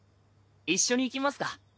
一緒に行きますか？